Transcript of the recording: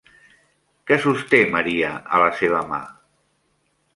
Què sosté Maria a la seva mà?